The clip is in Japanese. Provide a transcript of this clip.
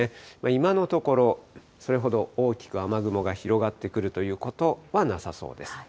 今のところ、それほど大きく雨雲が広がってくるということはなさそうです。